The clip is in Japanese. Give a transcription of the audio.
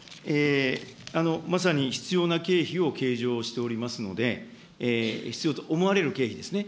まさに必要な経費を計上しておりますので、必要と思われる経費ですね。